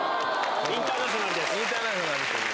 インターナショナルという。